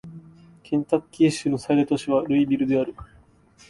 ケンタッキー州の最大都市はルイビルである